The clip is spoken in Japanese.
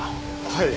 はい。